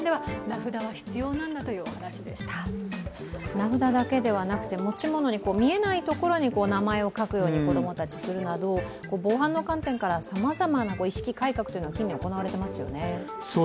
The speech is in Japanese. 名札だけではなくて、持ち物に見えないところに名前を書くように子供たちするなど、防犯の観点からさまざまな意識改革が近年行われてますよね。